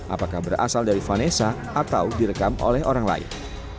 apakah berasal dari vanessa atau direkam oleh orang lain